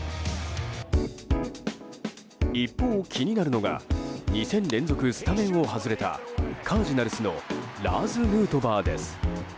一方、気になるのが２戦連続スタメンを外れたカージナルスのラーズ・ヌートバーです。